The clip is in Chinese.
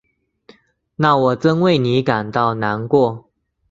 那我真为你感到难过。